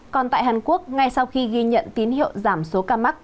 còn tại hàn quốc ngay sau khi ghi nhận tín hiệu giảm số ca mắc